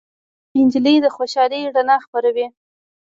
نجلۍ د خوشالۍ رڼا خپروي.